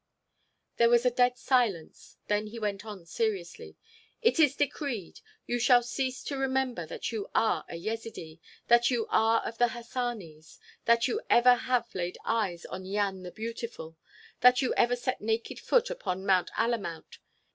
There was a dead silence; then he went on seriously: "It is decreed: You shall cease to remember that you are a Yezidee, that you are of the Hassanis, that you ever have laid eyes on Yian the Beautiful, that you ever set naked foot upon Mount Alamout.